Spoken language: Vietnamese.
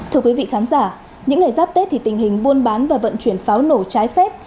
thưa quý vị khán giả những ngày giáp tết thì tình hình buôn bán và vận chuyển pháo nổ trái phép